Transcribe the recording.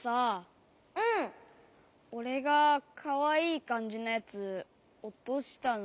おれがかわいいかんじのやつおとしたのみたよね？